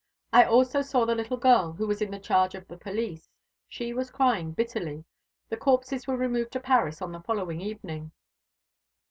I also saw the little girl, who was in the charge of the police. She was crying bitterly. The corpses were removed to Paris on the following evening."